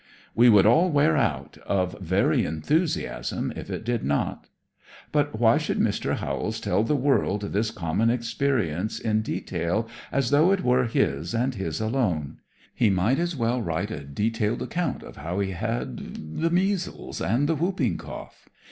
We would all wear out of very enthusiasm if it did not. But why should Mr. Howells tell the world this common experience in detail as though it were his and his alone. He might as well write a detailed account of how he had the measles and the whooping cough.